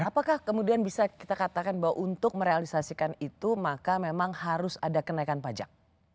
apakah kemudian bisa kita katakan bahwa untuk merealisasikan itu maka memang harus ada kenaikan pajak